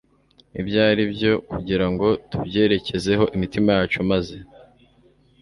ibyo ari byo kugira ngo tubyerekezeho imitima yacu maze